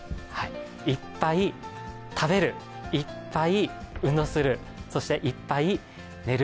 いっぱい、食べるいっぱい、運動するそして、いっぱい、寝る。